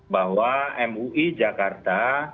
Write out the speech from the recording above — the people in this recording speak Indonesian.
bahwa mui jakarta